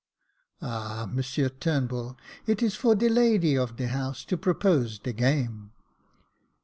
"" Ah ! Monsieur Turnbull, it is for de lady of de house to propose de game."